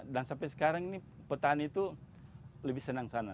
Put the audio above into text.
dan sampai sekarang ini petani itu lebih senang sana